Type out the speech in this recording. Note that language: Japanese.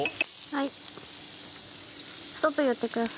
はい。